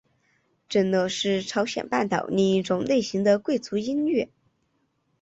正乐是朝鲜半岛另一种类型的贵族音乐。